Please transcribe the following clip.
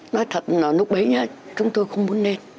nói thật là lúc đấy nhá chúng tôi không muốn lên